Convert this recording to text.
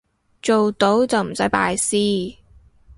做到就唔使拜師